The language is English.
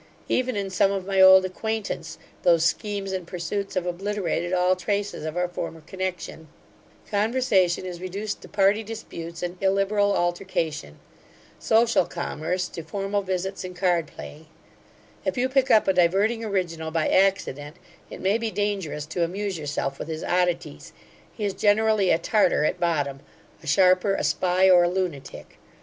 Even in some of my old acquaintance, those schemes and pursuits have obliterated all traces of our former connexion Conversation is reduced to party disputes, and illiberal altercation Social commerce, to formal visits and card playing If you pick up a diverting original by accident, it may be dangerous to amuse yourself with his oddities He is generally a tartar at bottom; a sharper, a spy, or a lunatic.